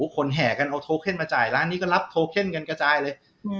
แห่กันเอาโทเคนมาจ่ายร้านนี้ก็รับโทเคนกันกระจายเลย